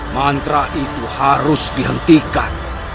mantra itu harus dihentikan